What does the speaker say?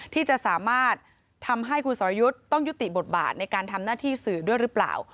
ที่จะสามารถทำให้คุณสรยุทธ์ต้องยุติบทบาทในการทำหน้าที่สื่อด้วยหรือเปล่า